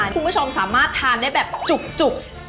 คุณผู้ชมสามารถทานได้แบบจุก